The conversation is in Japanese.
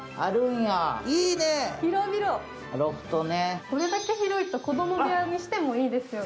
広々、これだけ広いと子供部屋にしてもいいですよね。